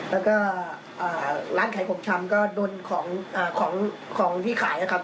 แล้วก็อ่าร้านไข่ขมชำก็โดนของอ่าของของที่ขายนะครับ